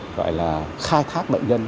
gọi là khai thác bệnh nhân